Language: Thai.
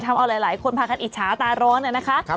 ทำเอาหลายคนพากันอิจฉาตาร้อนนะคะ